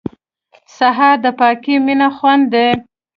سهار د پاکې مینې خوند دی.